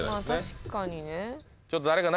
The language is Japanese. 確かにね。